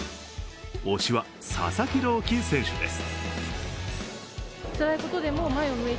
推しは、佐々木朗希選手です。